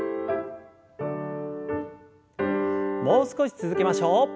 もう少し続けましょう。